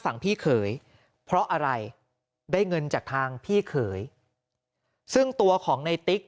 ฝั่งพี่เขยเพราะอะไรได้เงินจากทางพี่เขยซึ่งตัวของในติ๊ก